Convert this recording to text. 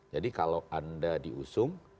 jadi kalau anda diusung